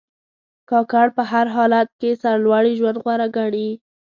کاکړ په هر حالت کې سرلوړي ژوند غوره ګڼي.